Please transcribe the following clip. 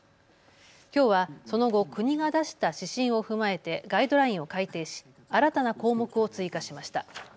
きょうはその後、国が出した指針を踏まえてガイドラインを改定し新たな項目を追加しました。